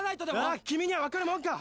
ああ君には分かるもんか！